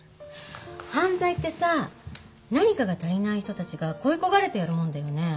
犯罪ってさ何かが足りない人たちが恋い焦がれてやるもんだよね。